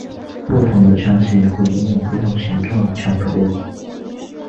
不同的枪械会拥有不同形状的枪托。